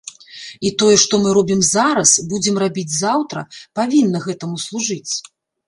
І тое, што мы робім зараз, будзем рабіць заўтра, павінна гэтаму служыць.